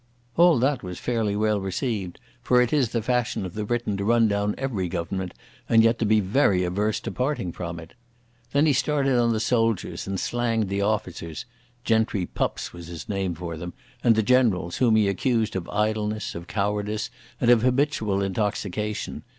All that was fairly well received, for it is the fashion of the Briton to run down every Government and yet to be very averse to parting from it. Then he started on the soldiers and slanged the officers ("gentry pups" was his name for them), and the generals, whom he accused of idleness, of cowardice, and of habitual intoxication.